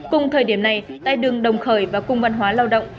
cùng thời điểm này tại đường đồng khởi và cung văn hóa lao động